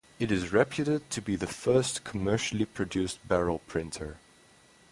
It is reputed to be the first commercially produced barrel printer.